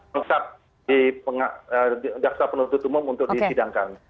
maksat di gaksa penuntut umum untuk disidangkan